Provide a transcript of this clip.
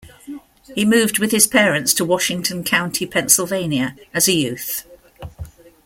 He moved with his parents to Washington County, Pennsylvania, as a youth.